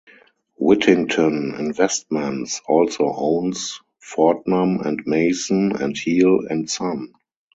Wittington Investments also owns Fortnum and Mason and Heal and Son.